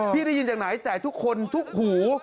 ได้ยินจากไหนแต่ทุกคนทุกหู